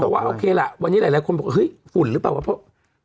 เขาบอกว่าโอเคล่ะวันนี้หลายคนบอกว่าฝุ่นหรือเปล่า